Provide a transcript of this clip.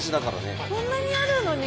こんなにあるのに。